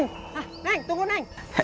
neng tunggu neng